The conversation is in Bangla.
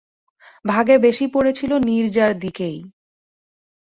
ভাগে বেশি পড়েছিল নীরজার দিকেই।